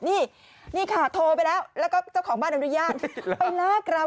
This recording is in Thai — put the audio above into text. มีนักราวกเก็บผ้า